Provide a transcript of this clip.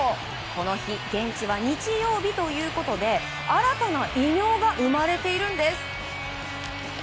この日現地は日曜日ということで新たな異名が生まれているんです。